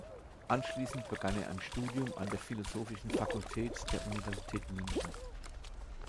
Anschließend begann er ein Studium an der Philosophischen Fakultät der Universität München.